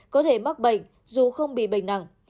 có thể mắc bệnh dù không bị bệnh nặng